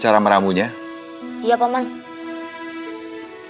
berikan ramuan obat ini kepada nyi